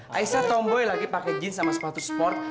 aisyah tomboy lagi pake jeans sama sepatu sport